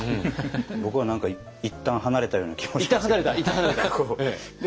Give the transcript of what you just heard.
僕は何か一旦離れたような気もしますけども。